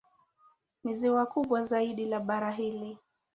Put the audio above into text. Ni ziwa kubwa zaidi la bara hili.